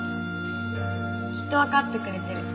きっとわかってくれてる。